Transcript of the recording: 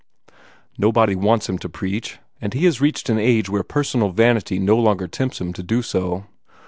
Nobody wants him to preach, and he has reached an age where personal vanity no longer tempts him to do so.